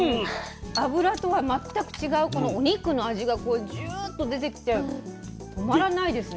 脂とは全く違うこのお肉の味がこうジューッと出てきて止まらないですね。